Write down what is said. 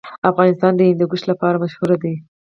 افغانستان د هندوکش لپاره مشهور دی.